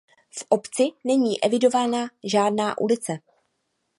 V obci není evidována žádná ulice.